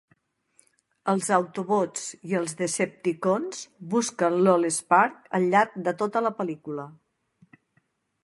Els 'autobots' i els 'decepticons' busquen l'AllSpark al llarg de tota la pel·lícula.